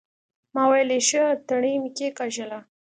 ما ويلې ښه تڼۍ مې کېکاږله.